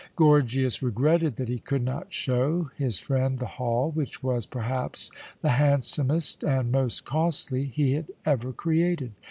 Gorgias regretted that he could not show his friend the hall, which was perhaps the handsomest and most costly he had ever created.